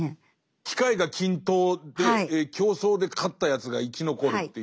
機会が均等で競争で勝ったやつが生き残るっていう。